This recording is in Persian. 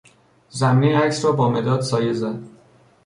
زمینهی عکس را با مداد سایه زد.